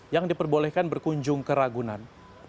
yang diperbolehkan berkunjung ke ragunan